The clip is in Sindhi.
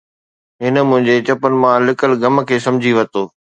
هن منهنجي چپن مان لڪل غم کي سمجهي ورتو